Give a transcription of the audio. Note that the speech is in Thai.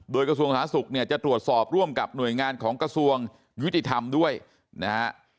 โดยกระทรวงสาธารณสุขเนี่ยจะตรวจสอบร่วมกับหน่วยงานของกระทรวงยุติธรรมด้วยนะฮะ